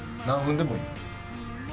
何分でもいい。